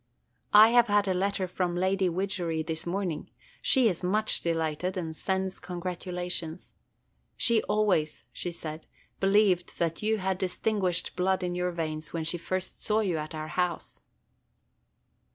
I have had a letter from Lady Widgery this morning. She is much delighted, and sends congratulations. She always, she said, believed that you had distinguished blood in your veins when she first saw you at our house."